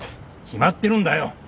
決まってるんだよ！